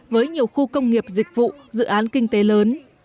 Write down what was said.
với nhiều khu công nghiệp dịch vụ dự án kinh tế lớn